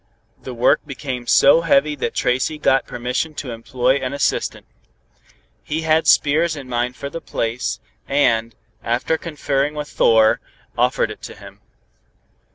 The work became so heavy that Tracy got permission to employ an assistant. He had Spears in mind for the place, and, after conferring with Thor, offered it to him.